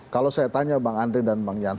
kalau saya tanya bang andri dan bang yusuf